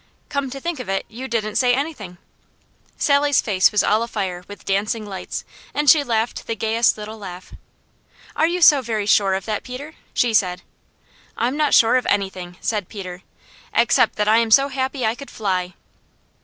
"Come to think of it, you didn't say anything." Sally's face was all afire with dancing lights, and she laughed the gayest little laugh. "Are you so very sure of that, Peter?" she said. "I'm not sure of anything," said Peter, "except that I am so happy I could fly."